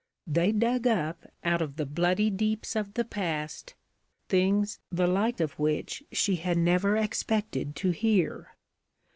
They dug up out of the bloody deeps of the past things the like of which she had never expected to hear.